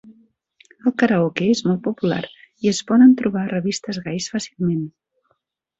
El karaoke és molt popular i es poden trobar revistes gais fàcilment.